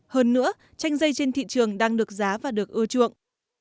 hơn nữa chanh dây trên thị trường đang được giá và được ưa chuộng